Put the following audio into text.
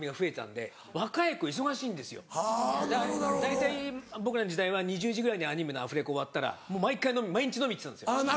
大体僕らの時代は２０時ぐらいにアニメのアフレコ終わったら毎回飲みに毎日飲み行ってたんですよ。